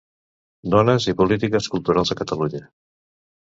Dones i polítiques culturals a Catalunya.